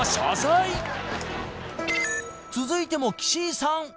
続いても岸井さん